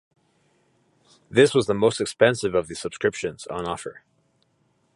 This was the most expensive of the subscriptions on offer.